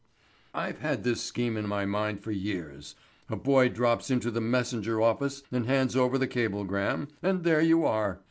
"I've had this scheme in my mind for years. A boy drops into The Messenger office and hands over the cablegram, and there you are.